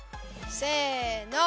せの。